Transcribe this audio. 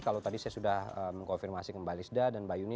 kalau tadi saya sudah mengkonfirmasi kembali sda dan mbak yuni